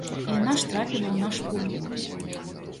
І яна ж трапіла ў наш пул.